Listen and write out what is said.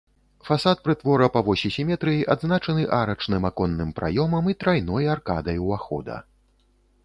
Фасад прытвора па восі сіметрыі адзначаны арачным аконным праёмам і трайной аркадай увахода.